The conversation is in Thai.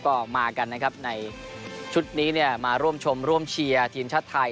ก็มากันนะครับในชุดนี้เนี่ยมาร่วมชมร่วมเชียร์ทีมชาติไทย